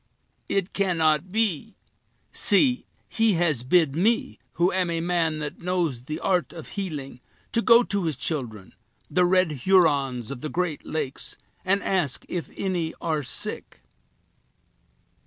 "It cannot be. See; he has bid me, who am a man that knows the art of healing, to go to his children, the red Hurons of the great lakes, and ask if any are sick!"